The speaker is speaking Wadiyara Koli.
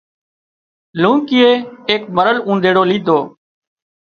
لونڪيئي ايڪ مرل اونۮيڙو ليڌو